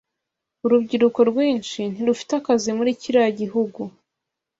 Urubyiruko rwinshi ntirufite akazi muri kiriya gihugu.